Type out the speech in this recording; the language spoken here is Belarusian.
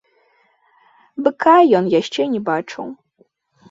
Быка ён яшчэ не бачыў.